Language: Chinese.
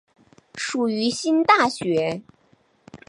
属于新大学。